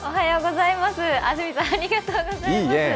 安住さんありがとうございます。